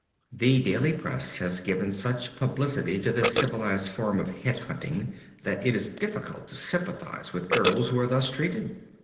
The daily press has given such publicity to this civilized form of "head hunting," that it is difficult to sympathize with girls who are thus treated.